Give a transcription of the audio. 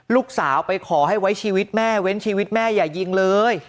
ลูกสาวไปขอให้ไว้ชีวิตแม่เว้นชีวิตแม่อย่ายิงเลย